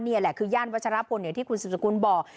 นี่แหละคือย่านวัชรพลอย่างที่คุณสุดสกุลบอก